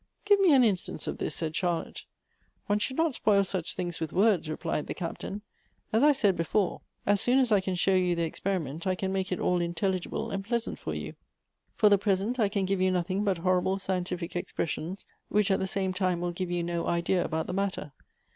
'"" Give me an instance of this," said Charlotte. " One should not spoil such things with words," replied the Captain. "As I said before, as soon as I can show you the experiment, I can make it all intelligible and pleasant for you. For the present, I can give you nothing but horrible scientific expressions, which at the same time will give you no idea about the matter.